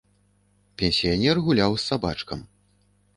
Пенсіянер гуляў з сабачкам.